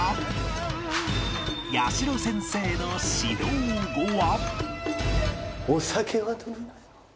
八代先生の指導後は